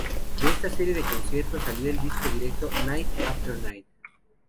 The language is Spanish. De esta serie de conciertos salió el disco en directo "Night After Night".